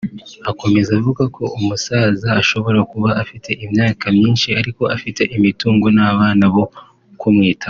Akomeza avuga ko umusaza ashobora kuba afite imyaka myinshi ariko afite imitungo n’abana bo kumwitaho